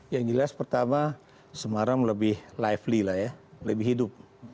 yang jelas pertama semarang lebih lively lah ya lebih hidup